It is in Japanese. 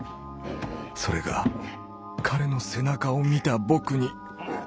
それが彼の「背中」を見た僕にッ。